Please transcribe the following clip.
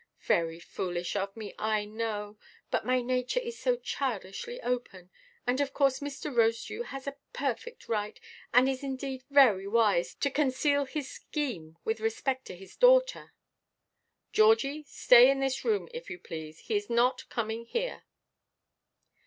Very foolish of me, I know, but my nature is so childishly open. And of course Mr. Rosedew has a perfect right, and is indeed very wise, to conceal his scheme with respect to his daughter." "Georgie, stay in this room, if you please; he is not coming here."